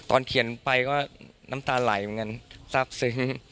เขียนไปก็น้ำตาไหลเหมือนกันทราบซึ้ง